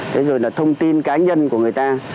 thế rồi là thông tin cá nhân của người ta